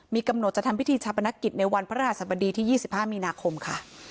มีกำหนดจะทำพิธีชาปนกิจในวันพระราชสมดีที่๒๕มีนาคมค่ะ